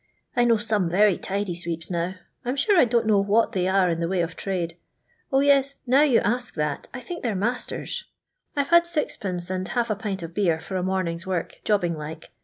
I know some very tidy sweeps now. I 'm sure I don't know what they are in the way of trade. 0, yes, now you ask that, I think they 're masten. I've had 6(2. and half ft pint of beer for a morning's work, jobbing like.